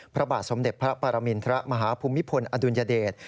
พระบาทสมเด็จพระปรมินทรมาฮภูมิพลอดุลยเดช